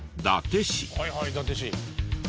はいはい伊達市。